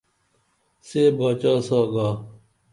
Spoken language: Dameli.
سے باچا سا گا